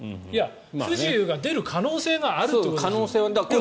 不自由が出る可能性があるということですよ。